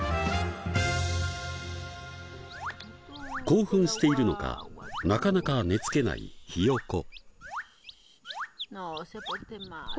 興奮しているのかなかなか寝付けないヒヨコ。